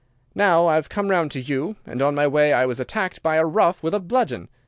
Now I have come round to you, and on my way I was attacked by a rough with a bludgeon.